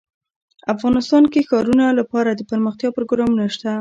افغانستان کې د ښارونه لپاره دپرمختیا پروګرامونه شته.